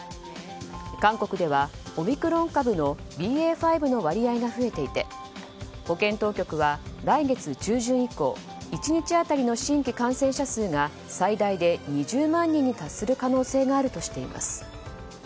韓国ではオミクロン株のＢＡ．５の割合が増えていて保健当局は来月中旬以降１日当たりの新規感染者数が最大で２０万人に達する可能性があるとしています。